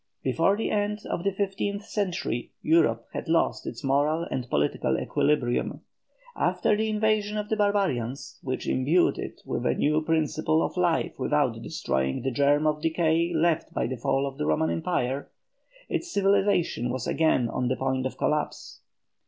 Before the end of the fifteenth century Europe had lost its moral and political equilibrium. After the invasion of the barbarians, which imbued it with a new principle of life without destroying the germ of decay left by the fall of the Roman Empire, its civilization was again on the point of collapse.